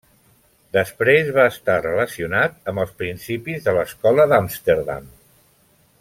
Després va estar relacionat amb els principis de l'Escola d'Amsterdam.